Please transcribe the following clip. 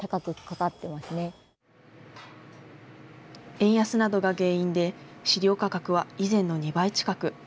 円安などが原因で、飼料価格は以前の２倍近く。